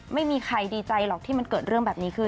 ไม่มีใครดีใจหรอกที่มันเกิดเรื่องแบบนี้ขึ้น